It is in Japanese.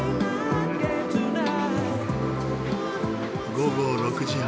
午後６時半。